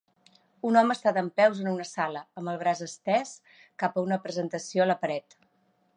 Un home està dempeus en una sala, amb el braç estès cap a una presentació a la paret.